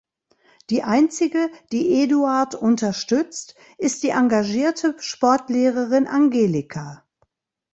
Die Einzige, die Eduard unterstützt, ist die engagierte Sportlehrerin Angelika.